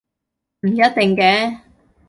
唔一定嘅